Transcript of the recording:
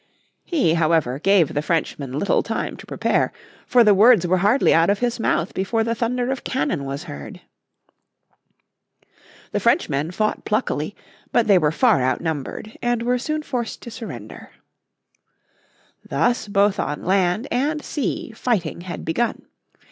He, however, gave the Frenchman little time to prepare, for the words were hardly out of his mouth before the thunder of cannon was heard. The Frenchmen fought pluckily. But they were far outnumbered, and were soon forced to surrender. Thus both on land and sea fighting had begun.